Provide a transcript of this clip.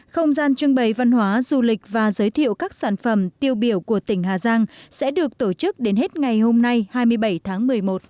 không gian trưng bày văn hóa du lịch và giới thiệu các sản phẩm tiêu biểu của tỉnh hà giang sẽ được tổ chức đến hết ngày hôm nay hai mươi bảy tháng một mươi một